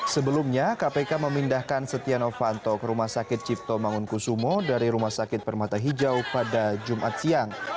sebelumnya kpk memindahkan setia novanto ke rumah sakit cipto mangunkusumo dari rumah sakit permata hijau pada jumat siang